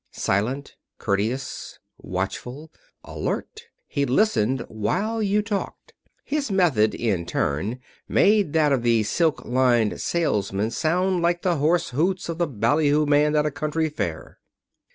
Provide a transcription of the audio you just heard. Silent, courteous, watchful, alert, he listened, while you talked. His method, in turn, made that of the silk lined salesman sound like the hoarse hoots of the ballyhoo man at a county fair.